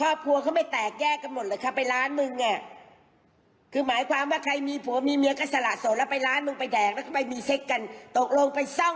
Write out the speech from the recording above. โอ้โหแม่ด่าว่าอะไรนะ